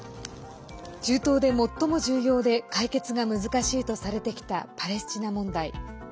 中東で最も重要で解決が難しいとされてきたパレスチナ問題。